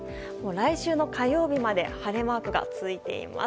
来週の火曜日まで晴れマークがついています。